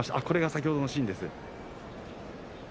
これが先ほどのシーンですね。